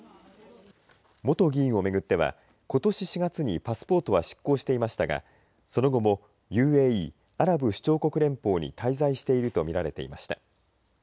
元議員を巡ってはことし４月にパスポートは失効していましたがその後もＵＡＥ＝アラブ首長国連邦に滞在していると見られていました。